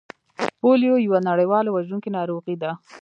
پولیو یوه نړیواله وژونکې ناروغي ده